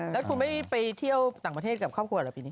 แล้วคุณไม่ได้ไปเที่ยวต่างประเทศกับครอบครัวเหรอปีนี้